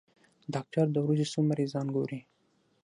ډاکټر د ورځې څو مريضان ګوري؟